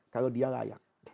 kalau dia layak